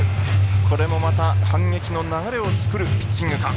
これもまた反撃の流れを作るピッチングか。